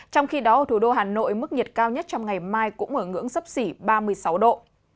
trong khi đó ở thủ đô hà nội mức nhiệt cao nhất trong ngày mai cũng ở ngưỡng sấp xỉ ba mươi sáu độ